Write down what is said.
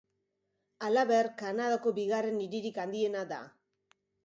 Halaber, Kanadako bigarren hiririk handiena da.